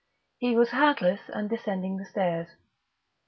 He was hatless, and descending the stairs.